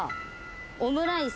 オムライス。